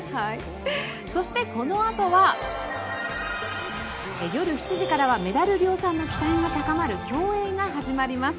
そして、このあとは夜７時からはメダル量産の期待が高まる競泳が始まります。